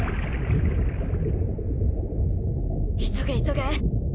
急げ急げ。